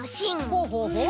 ほうほうほう。